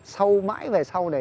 sau mãi về sau này